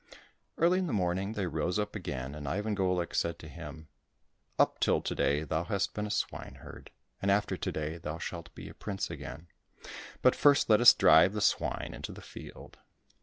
Early in the morning they rose up again, and Ivan Golik said to him, " Up till to day thou hast been a swineherd, and after to day thou shalt be a prince again ; but first let us drive the swine into the field."